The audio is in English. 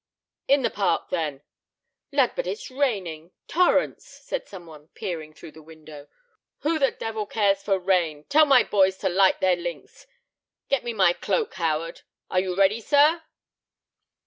"In the park, then." "Lud! but it's raining—torrents," said some one, peering through the window. "Rain! Who the devil cares for rain? Tell my boys to light their links. Get me my cloak, Howard. Are you ready, sir?"